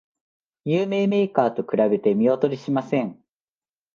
有名メーカーと比べて見劣りしません